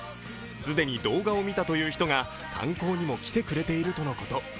既に動画を見たという人が観光にも来てくれているとのこと。